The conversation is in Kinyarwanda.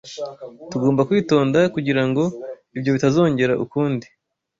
Tugomba kwitonda kugirango ibyo bitazongera ukundi.